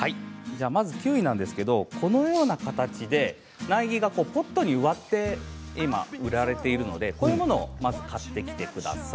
キウイはこのような形で苗木がポットに植わって今売られているのでこういうものをまず買ってきてください。